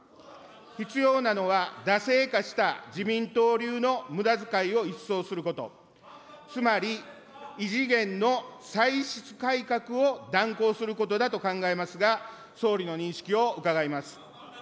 必要なのは惰性化した自民党流のむだづかいを一掃すること、つまり、異次元の歳出改革を断行することだと考えますが、総理の認識を伺います。